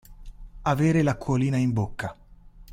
Avere l'acquolina in bocca.